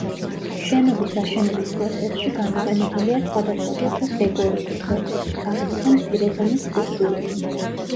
შენობის აშენების პროცესში გამოყენებულია სხვადასხვა სახის დეკორები, სვეტები, თაღები და მცირე ზომის სკულპტურები.